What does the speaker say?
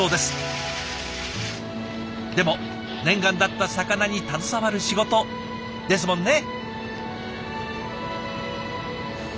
でも念願だった魚に携わる仕事ですもんね。